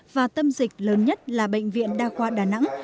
và tâm dịch lớn nhất là bệnh viện đa khoa đà nẵng